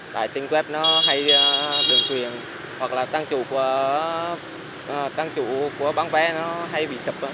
tại tên web nó hay đường quyền hoặc là tăng chủ của bán vé nó hay bị sập